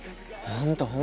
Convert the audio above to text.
本当。